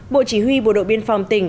bộ chỉ huy bộ đội biên phòng tỉnh